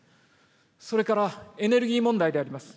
それから、エネルギー問題であります。